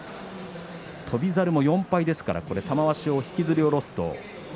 翔猿も４敗ですから玉鷲を引きずり下ろすと。